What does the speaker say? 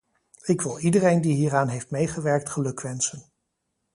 Ik wil iedereen die hieraan heeft meegewerkt gelukwensen.